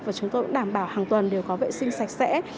và chúng tôi cũng đảm bảo hàng tuần đều có vệ sinh sạch sẽ